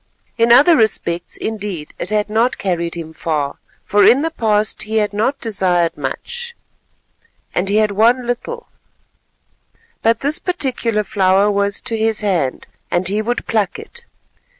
In other respects, indeed, it had not carried him far, for in the past he had not desired much, and he had won little; but this particular flower was to his hand, and he would pluck it.